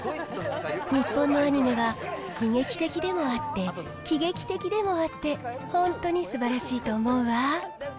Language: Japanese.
日本のアニメは悲劇的でもあって、喜劇的でもあって、本当にすばらしいと思うわ。